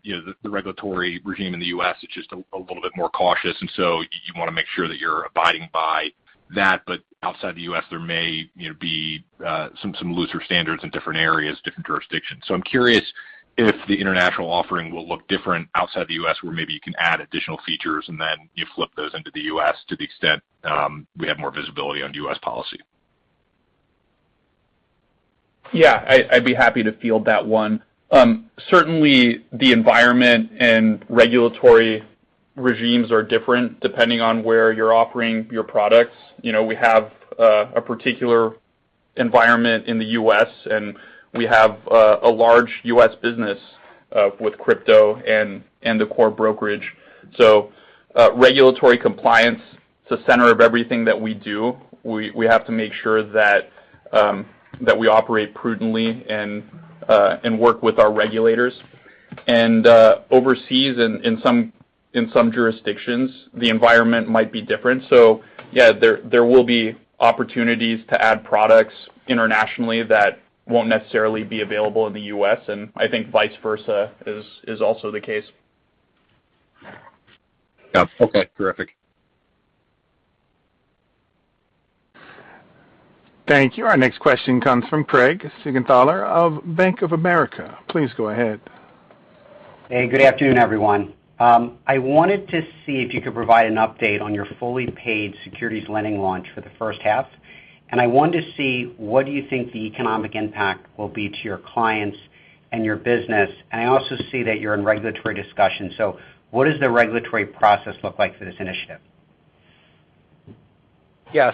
you know, the regulatory regime in the U.S. is just a little bit more cautious, and so you wanna make sure that you're abiding by that. But outside the U.S., there may, you know, be, some looser standards in different areas, different jurisdictions. I'm curious if the international offering will look different outside the U.S., where maybe you can add additional features, and then you flip those into the U.S. to the extent, we have more visibility on U.S. policy. Yeah. I'd be happy to field that one. Certainly the environment and regulatory regimes are different depending on where you're offering your products. You know, we have a particular environment in the U.S., and we have a large U.S. business with crypto and the core brokerage. Regulatory compliance is the center of everything that we do. We have to make sure that we operate prudently and work with our regulators. Overseas in some jurisdictions, the environment might be different. Yeah, there will be opportunities to add products internationally that won't necessarily be available in the U.S., and I think vice versa is also the case. Yeah. Okay. Terrific. Thank you. Our next question comes from Craig Siegenthaler of Bank of America. Please go ahead. Hey, good afternoon, everyone. I wanted to see if you could provide an update on your fully paid securities lending launch for the first half. I wanted to see what you think the economic impact will be to your clients and your business. I also see that you're in regulatory discussions, so what does the regulatory process look like for this initiative? Yeah.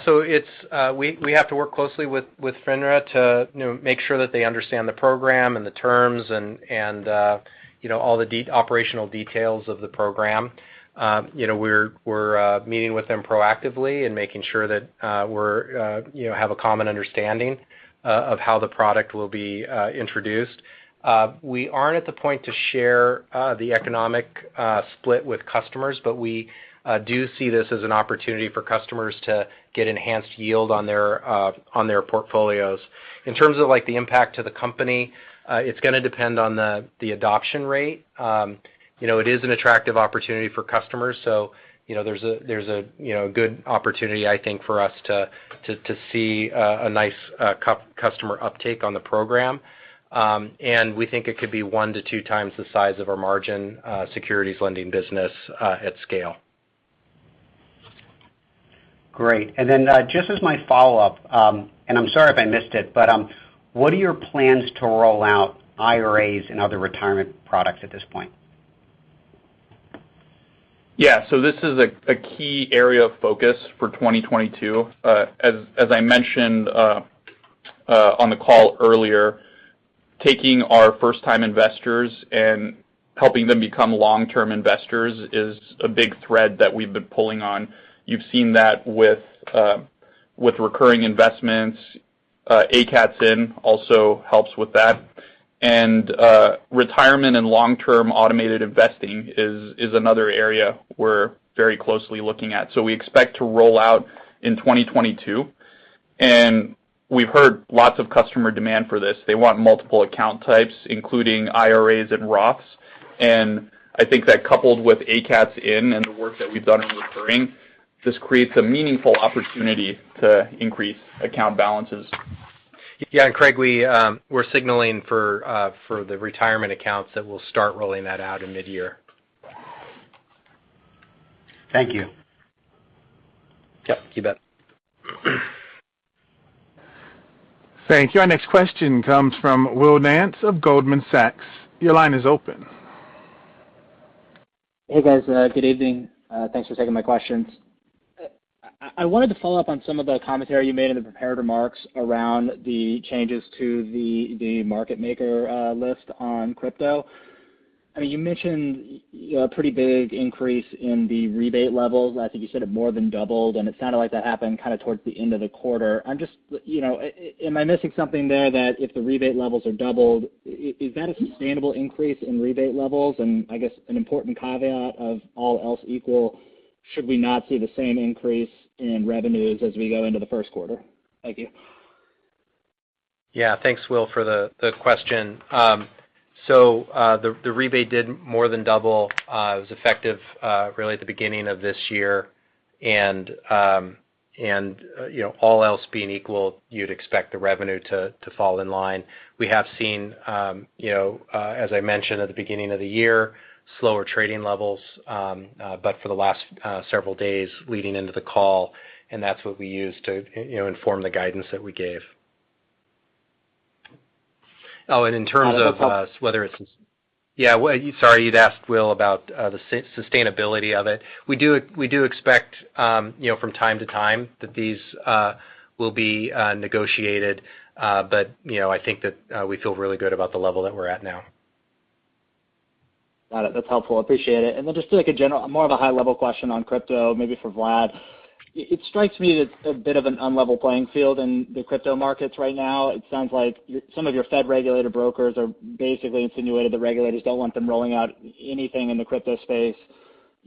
We have to work closely with FINRA to, you know, make sure that they understand the program and the terms and, you know, all the operational details of the program. You know, we're meeting with them proactively and making sure that we have a common understanding of how the product will be introduced. We aren't at the point to share the economic split with customers, but we do see this as an opportunity for customers to get enhanced yield on their portfolios. In terms of, like, the impact to the company, it's gonna depend on the adoption rate. You know, it is an attractive opportunity for customers, so you know, there's a good opportunity, I think, for us to see a nice customer uptake on the program. We think it could be 1x to 2x the size of our margin securities lending business at scale. Great. Just as my follow-up, and I'm sorry if I missed it, but what are your plans to roll out IRAs and other retirement products at this point? Yeah. This is a key area of focus for 2022. As I mentioned on the call earlier, taking our first-time investors and helping them become long-term investors is a big thread that we've been pulling on. You've seen that with recurring investments. ACATS In also helps with that. Retirement and long-term automated investing is another area we're very closely looking at, so we expect to roll out in 2022. We've heard lots of customer demand for this. They want multiple account types, including IRAs and Roths. I think that coupled with ACATS In and the work that we've done in recurring, this creates a meaningful opportunity to increase account balances. Yeah. Craig, we're signaling for the retirement accounts that we'll start rolling that out in mid-year. Thank you. Yep. You bet. Thank you. Our next question comes from Will Nance of Goldman Sachs. Your line is open. Hey, guys. Good evening. Thanks for taking my questions. I wanted to follow up on some of the commentary you made in the prepared remarks around the changes to the market maker list on crypto. I mean, you mentioned you know, a pretty big increase in the rebate levels. I think you said it more than doubled, and it sounded like that happened kind of towards the end of the quarter. I'm just, you know, am I missing something there that if the rebate levels are doubled, is that a sustainable increase in rebate levels? And I guess an important caveat of all else equal, should we not see the same increase in revenues as we go into the first quarter? Thank you. Yeah. Thanks, Will, for the question. The rebate did more than double. It was effective really at the beginning of this year. You know, all else being equal, you'd expect the revenue to fall in line. We have seen you know, as I mentioned at the beginning of the year, slower trading levels, but for the last several days leading into the call, and that's what we use to you know, inform the guidance that we gave. Well, sorry, you'd asked Will about the sustainability of it. We do expect you know, from time to time that these will be negotiated. You know, I think that we feel really good about the level that we're at now. Got it. That's helpful. Appreciate it. Just like a general, more of a high-level question on crypto, maybe for Vlad. It strikes me that there's a bit of an uneven playing field in the crypto markets right now. It sounds like some of your federally regulated brokers are basically insinuating that the regulators don't want them rolling out anything in the crypto space.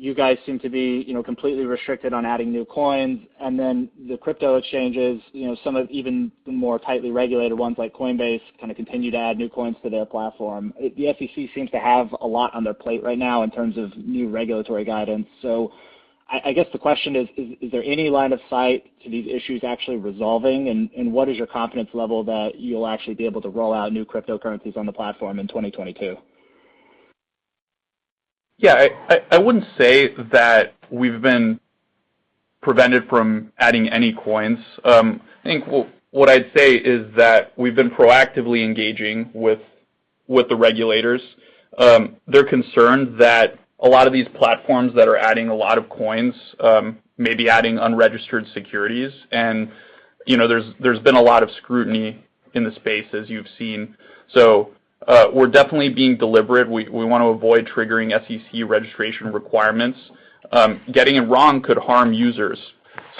You guys seem to be, you know, completely restricted on adding new coins. The crypto exchanges, you know, some of even the more tightly regulated ones like Coinbase kind of continue to add new coins to their platform. The SEC seems to have a lot on their plate right now in terms of new regulatory guidance. I guess the question is there any line of sight to these issues actually resolving? What is your confidence level that you'll actually be able to roll out new cryptocurrencies on the platform in 2022? Yeah. I wouldn't say that we've been prevented from adding any coins. I think what I'd say is that we've been proactively engaging with the regulators. They're concerned that a lot of these platforms that are adding a lot of coins may be adding unregistered securities. You know, there's been a lot of scrutiny in the space as you've seen. We're definitely being deliberate. We wanna avoid triggering SEC registration requirements. Getting it wrong could harm users.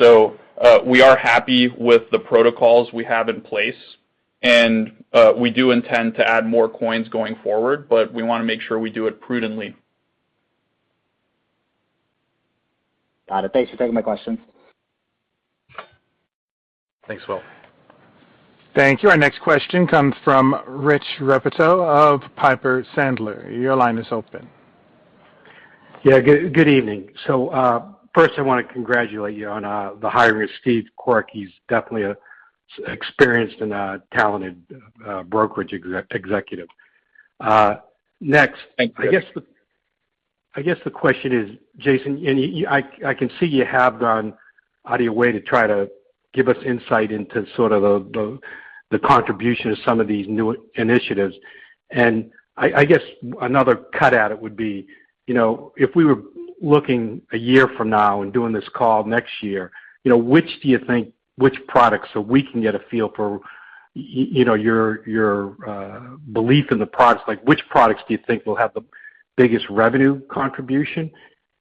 We are happy with the protocols we have in place, and we do intend to add more coins going forward, but we wanna make sure we do it prudently. Got it. Thanks for taking my question. Thanks, Will. Thank you. Our next question comes from Rich Repetto of Piper Sandler. Your line is open. Yeah. Good evening. First, I want to congratulate you on the hiring of Steve Quirk. He's definitely an experienced and talented brokerage executive. Next- Thank you. I guess the question is, Jason. I can see you have gone out of your way to try to give us insight into sort of the contribution of some of these new initiatives. I guess another cut at it would be, you know, if we were looking a year from now and doing this call next year, you know, which do you think, which products, so we can get a feel for, you know, your belief in the products, like which products do you think will have the biggest revenue contribution?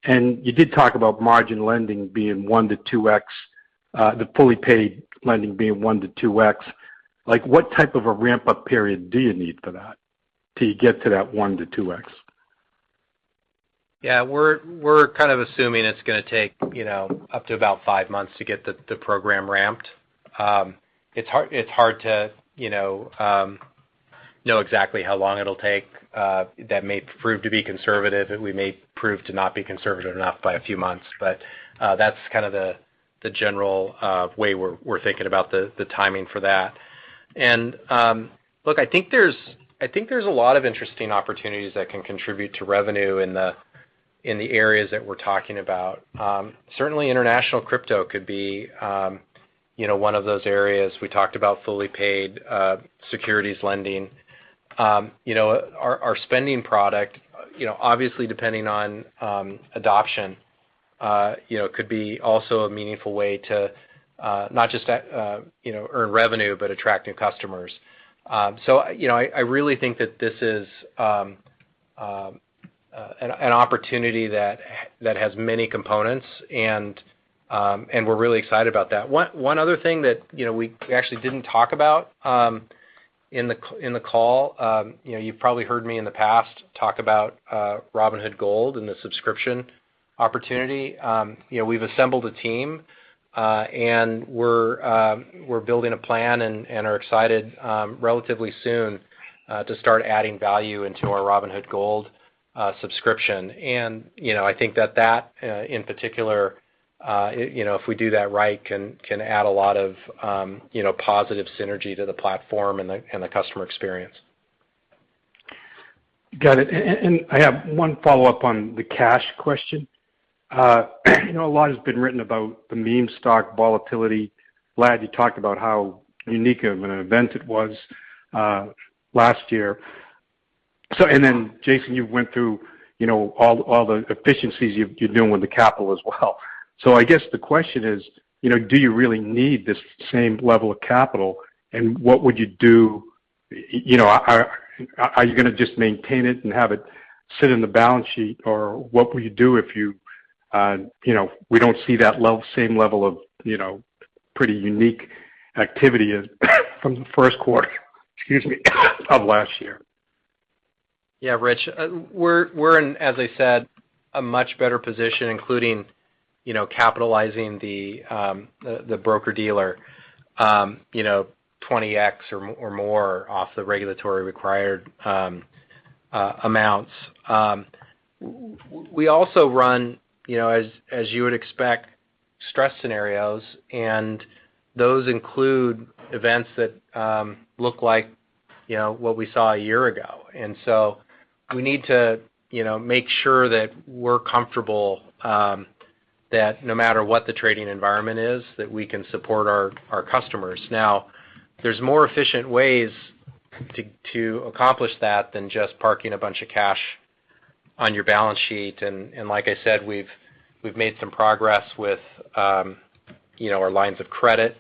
You did talk about margin lending being 1x to 2x, the fully paid lending being 1x to 2x. Like, what type of a ramp-up period do you need for that till you get to that 1x to 2x? Yeah. We're kind of assuming it's gonna take, you know, up to about five months to get the program ramped. It's hard to, you know exactly how long it'll take. That may prove to be conservative, and we may prove to not be conservative enough by a few months. That's kind of the general way we're thinking about the timing for that. Look, I think there's a lot of interesting opportunities that can contribute to revenue in the areas that we're talking about. Certainly international crypto could be, you know, one of those areas. We talked about fully paid securities lending. You know, our spending product, you know, obviously depending on adoption, you know, could be also a meaningful way to not just, you know, earn revenue, but attract new customers. You know, I really think that this is an opportunity that has many components, and we're really excited about that. One other thing that, you know, we actually didn't talk about in the call, you know, you've probably heard me in the past talk about Robinhood Gold and the subscription opportunity. You know, we've assembled a team, and we're building a plan and are excited, relatively soon, to start adding value into our Robinhood Gold subscription. You know, I think that in particular, you know, if we do that right, can add a lot of, you know, positive synergy to the platform and the customer experience. Got it. I have one follow-up on the cash question. You know, a lot has been written about the meme stock volatility. Vlad, you talked about how unique of an event it was last year. Then Jason, you went through, you know, all the efficiencies you're doing with the capital as well. I guess the question is, you know, do you really need this same level of capital, and what would you do? You know, are you gonna just maintain it and have it sit in the balance sheet? Or what will you do if you know, we don't see that same level of, you know, pretty unique activity as from the first quarter, excuse me, of last year? Yeah, Rich. We're in, as I said, a much better position, including, you know, capitalizing the broker-dealer 20x or more off the regulatory required amounts. We also run, you know, as you would expect, stress scenarios, and those include events that look like, you know, what we saw a year ago. We need to, you know, make sure that we're comfortable that no matter what the trading environment is, that we can support our customers. Now, there are more efficient ways to accomplish that than just parking a bunch of cash on your balance sheet. Like I said, we've made some progress with, you know, our lines of credit.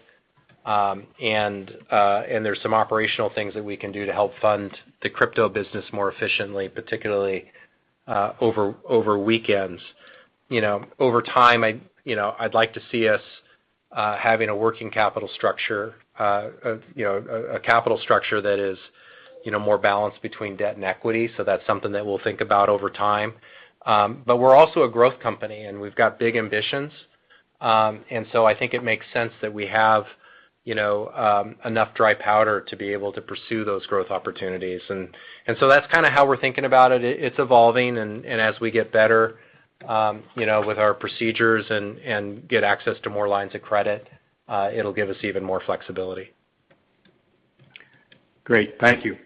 There's some operational things that we can do to help fund the crypto business more efficiently, particularly over weekends. You know, over time, you know, I'd like to see us having a working capital structure, you know, a capital structure that is, you know, more balanced between debt and equity. That's something that we'll think about over time. But we're also a growth company, and we've got big ambitions. I think it makes sense that we have, you know, enough dry powder to be able to pursue those growth opportunities. So that's kinda how we're thinking about it. It's evolving, and as we get better, you know, with our procedures and get access to more lines of credit, it'll give us even more flexibility. Great. Thank you.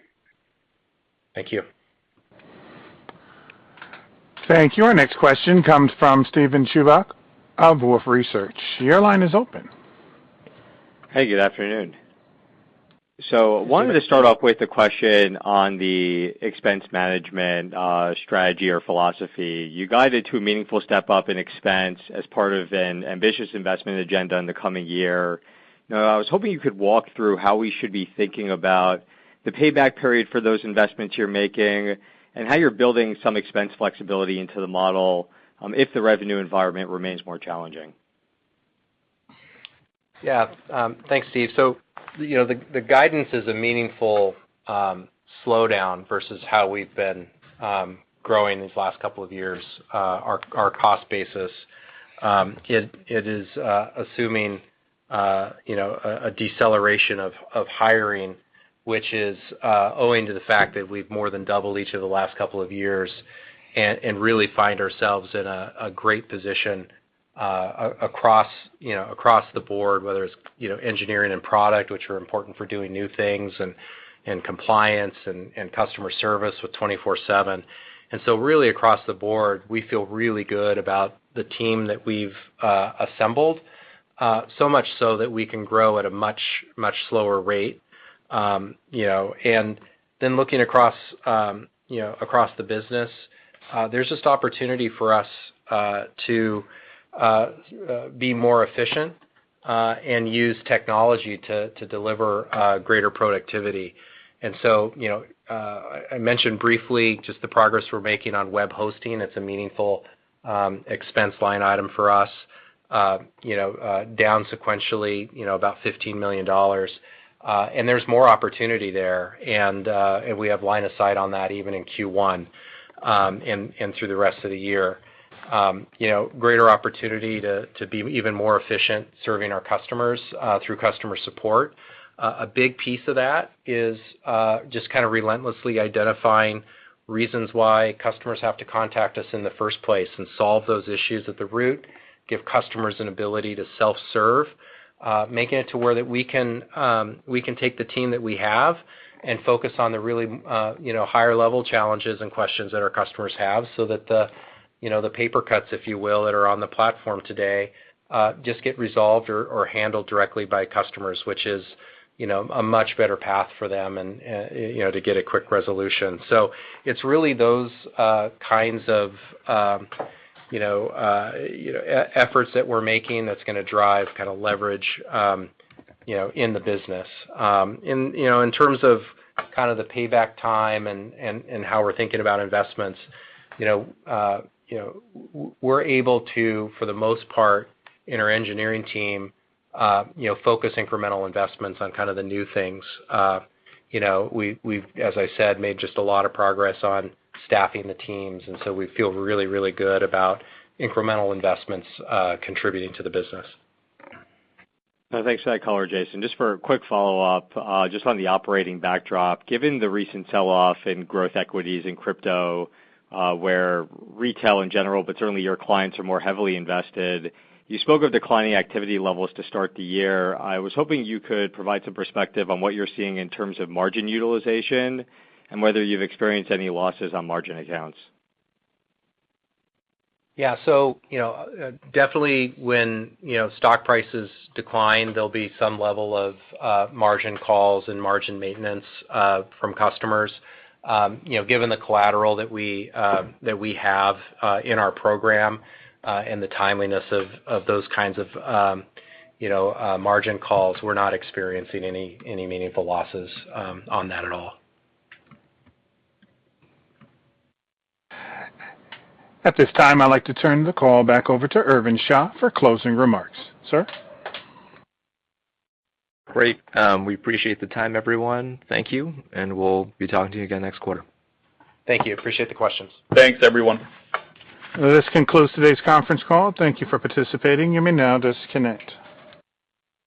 Thank you. Thank you. Our next question comes from Steven Chubak of Wolfe Research. Your line is open. Hey, good afternoon. Wanted to start off with a question on the expense management strategy or philosophy. You guided to a meaningful step-up in expense as part of an ambitious investment agenda in the coming year. Now I was hoping you could walk through how we should be thinking about the payback period for those investments you're making and how you're building some expense flexibility into the model, if the revenue environment remains more challenging. Thanks, Steve. You know, the guidance is a meaningful slowdown versus how we've been growing these last couple of years our cost basis. It is assuming you know a deceleration of hiring, which is owing to the fact that we've more than doubled each of the last couple of years and really find ourselves in a great position across the board, whether it's engineering and product, which are important for doing new things, and compliance and customer service with 24/7. Really across the board, we feel really good about the team that we've assembled so much so that we can grow at a much slower rate you know. Looking across, you know, across the business, there's this opportunity for us to be more efficient and use technology to deliver greater productivity. You know, I mentioned briefly just the progress we're making on web hosting. It's a meaningful expense line item for us, you know, down sequentially, you know, about $15 million. There's more opportunity there. We have line of sight on that even in Q1 and through the rest of the year. You know, greater opportunity to be even more efficient serving our customers through customer support. A big piece of that is just kinda relentlessly identifying reasons why customers have to contact us in the first place and solve those issues at the root, give customers an ability to self-serve, making it to where that we can take the team that we have and focus on the really you know higher-level challenges and questions that our customers have so that the you know the paper cuts, if you will, that are on the platform today just get resolved or handled directly by customers, which is you know a much better path for them and you know to get a quick resolution. It's really those kinds of you know efforts that we're making that's gonna drive kinda leverage you know in the business. You know, in terms of kind of the payback time and how we're thinking about investments, you know, we're able to, for the most part in our engineering team, you know, focus incremental investments on kind of the new things. You know, we've, as I said, made just a lot of progress on staffing the teams, and so we feel really good about incremental investments contributing to the business. No, thanks for that color, Jason. Just for a quick follow-up, just on the operating backdrop. Given the recent sell-off in growth equities and crypto, where retail in general, but certainly your clients are more heavily invested, you spoke of declining activity levels to start the year. I was hoping you could provide some perspective on what you're seeing in terms of margin utilization and whether you've experienced any losses on margin accounts. Yeah. You know, definitely when stock prices decline, there'll be some level of margin calls and margin maintenance from customers. You know, given the collateral that we have in our program, and the timeliness of those kinds of margin calls, we're not experiencing any meaningful losses on that at all. At this time, I'd like to turn the call back over to Irvin Sha for closing remarks. Sir? Great. We appreciate the time, everyone. Thank you, and we'll be talking to you again next quarter. Thank you. I appreciate the questions. Thanks, everyone. This concludes today's conference call. Thank you for participating. You may now disconnect.